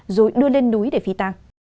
rồi đưa lên núi để phi tan